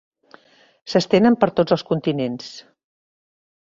S'estenen per tots els continents.